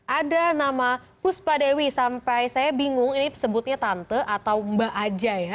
ada nama puspa dewi sampai saya bingung ini sebutnya tante atau mbak aja ya